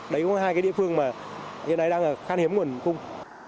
đấy cũng là hai địa phương mà hiện nay đang khan hiếm nguồn cung